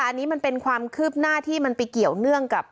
อันนี้มันเป็นความคืบหน้าที่มันไปเกี่ยวเนื่องกับ